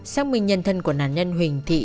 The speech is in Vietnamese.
xác minh nhân thân của nạn nhân huỳnh thị